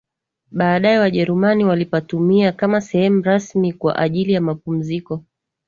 Baadae wajerumani walipatumia kama sehemu rasmi kwa ajili ya mapumziko